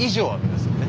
ですよね。